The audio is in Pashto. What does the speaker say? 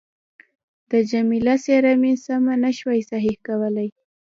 د جميله څېره مې سمه نه شوای صحیح کولای.